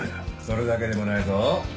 それだけでもないぞ。